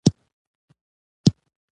• د سهار لمونځ د دنيوي او اخروي بريا راز دی.